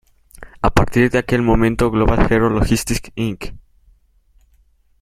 A partir de aquel momento, Global Aero Logistics Inc.